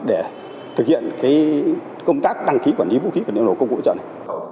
để thực hiện công tác đăng ký quản lý vũ khí vật liệu nổ công cụ hỗ trợ này